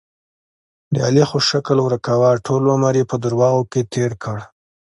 د علي خو شکل ورکوه، ټول عمر یې په دروغو کې تېر کړ.